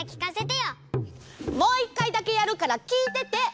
もういっかいだけやるからきいてて！